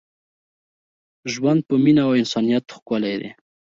ژوند په مینه او انسانیت ښکلی دی.